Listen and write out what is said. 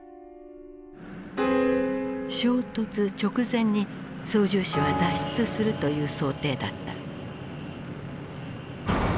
衝突直前に操縦士は脱出するという想定だった。